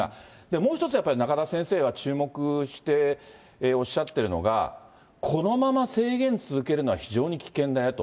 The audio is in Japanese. もう一つはやっぱり、仲田先生が注目しておっしゃってるのが、このまま制限続けるのは非常に危険だよと。